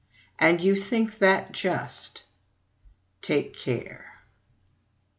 And you think that just? Take care!